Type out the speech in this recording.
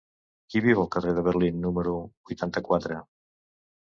Qui viu al carrer de Berlín número vuitanta-quatre?